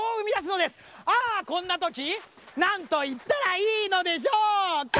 ああこんなときなんといったらいいのでしょうか？